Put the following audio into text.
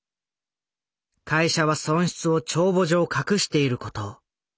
会社は損失を帳簿上隠していること。